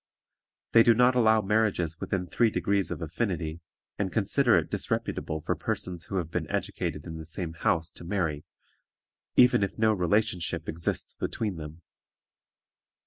They do not allow marriages within three degrees of affinity, and consider it disreputable for persons who have been educated in the same house to marry, even if no relationship exists between them.